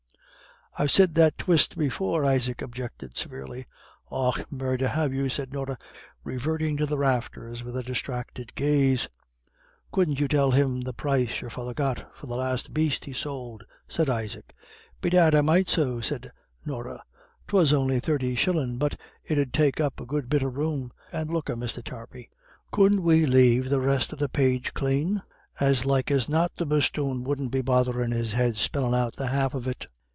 "I've said that twyste before," Isaac objected severely. "Och, murdher, have you?" said Norah, reverting to the rafters with a distracted gaze. "Couldn't you tell him the price your father got for the last baste he sould?" said Isaac. "Bedad, I might so," said Norah; "'twas on'y thirty shillin', but it 'ud take up a good bit of room. And look a, Mr. Tarpey, couldn't we lave the rest of the page clane? As like as not the bosthoon wouldn't be botherin' his head spellin' out the half of it."